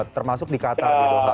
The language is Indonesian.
termasuk di qatar